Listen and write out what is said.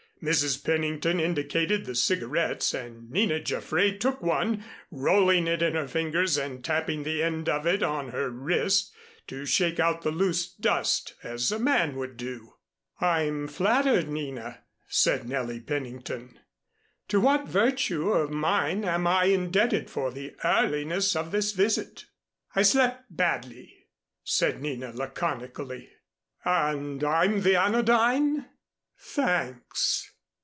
Mrs. Pennington indicated the cigarettes, and Nina Jaffray took one, rolling it in her fingers and tapping the end of it on her wrist to shake out the loose dust as a man would do. "I'm flattered, Nina," said Nellie Pennington. "To what virtue of mine am I indebted for the earliness of this visit?" "I slept badly," said Nina laconically. "And I'm the anodyne? Thanks."